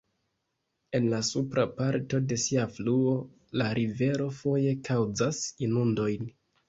En la supra parto de sia fluo la rivero foje kaŭzas inundojn.